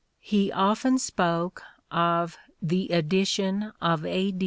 He often spoke of "the edition of A.